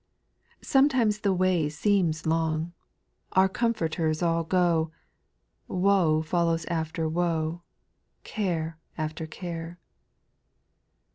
Sometimes the way seems long, Our comforters all go. Woe follows after woe, Care after care.